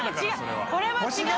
これは違う。